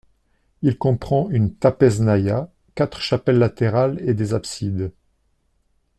Il comprend une trapeznaïa, quatre chapelles latérales et des absides.